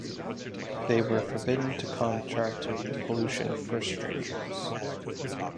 They were forbidden to contract the pollution for strangers.